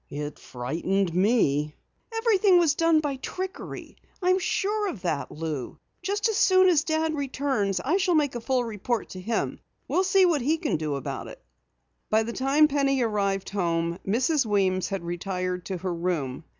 "It frightened me." "Everything was done by trickery. I'm sure of that, Lou. Just as soon as Dad returns I shall make a full report to him. We'll see what he can do about it." By the time Penny arrived home, Mrs. Weems had retired to her room.